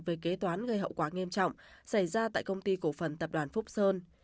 về kế toán gây hậu quả nghiêm trọng xảy ra tại công ty cổ phần tập đoàn phúc sơn